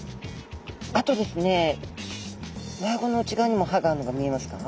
あとですねうわあごの内側にも歯があるの見えますか？